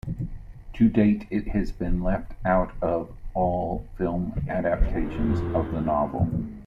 To date, it has been left out of all film adaptations of the novel.